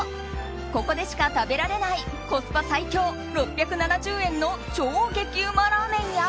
ここでしか食べられないコスパ最強６７０円の超激うまラーメンや